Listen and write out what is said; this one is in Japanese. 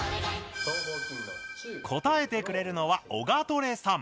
答えてくれるのはオガトレさん！